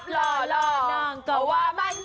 เห็นไหมคุณคะ